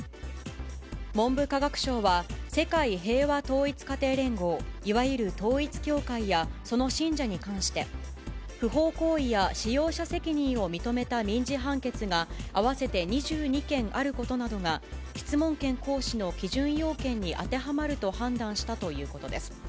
文部科学省は、世界平和統一家庭連合、いわゆる統一教会やその信者に関して、不法行為や使用者責任を認めた民事判決が合わせて２２件あることなどが、質問権行使の基準要件に当てはまると判断したということです。